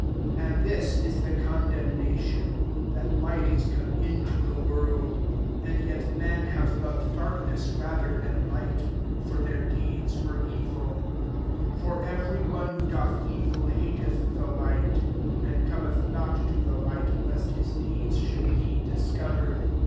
1 9 ^^ And this is the condemna tion ; that light is come into the world, and yet men hare loved darkness rather Umn ligbt : for their deeds were evil : 90 for every one who doth evil hateth the light, and cometh not to the light, leM his deeds ^lonld be discovered.